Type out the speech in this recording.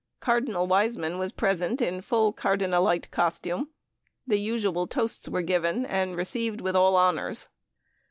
Cardinal Wiseman was present in full cardinalite costume. The usual toasts were given, and received with all honors.